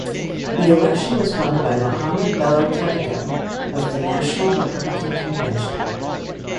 The election was won by Mohammed Bello Katagum of the National Republican Convention.